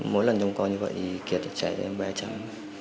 mỗi lần trông coi như vậy thì kiệt sẽ trả cho em ba trăm linh